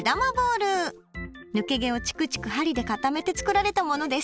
抜け毛をチクチク針で固めて作られたものです。